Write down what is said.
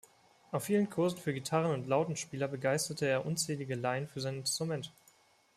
Auf vielen Kursen für Gitarren- und Lautenspieler begeisterte er unzählige Laien für sein Instrument.